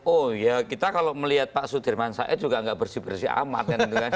oh ya kita kalau melihat pak sudirman said juga nggak bersih bersih amat kan